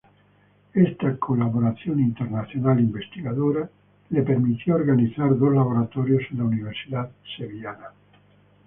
Esta colaboración internacional investigadora le permitió organizar dos laboratorios en la Universidad sevillana.